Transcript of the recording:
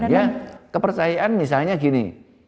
ya kepercayaan misalnya gini